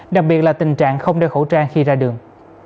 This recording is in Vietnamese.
đặc biệt là tình trạng không đeo khẩu trang khi ra đường